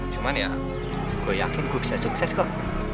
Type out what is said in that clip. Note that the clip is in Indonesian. cuman ya gue yakin gue bisa sukses kok